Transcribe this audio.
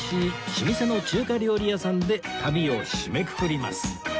老舗の中華料理屋さんで旅を締めくくります